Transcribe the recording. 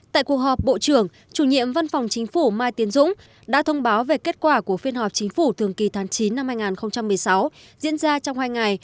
tại cuộc họp bộ trưởng chủ nhiệm văn phòng chính phủ mai tiến dũng đã thông báo về kết quả của phiên họp chính phủ thường kỳ tháng chín năm hai nghìn một mươi sáu diễn ra trong hai ngày